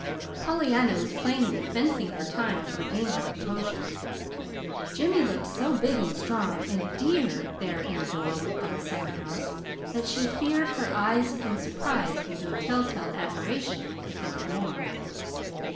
Pollyanna was plainly fencing for time to regain her composure. Jimmy looked so big and strong and DEAR there in the door of the summerhouse that she feared her eyes had been surprised into a telltale admiration, if not more.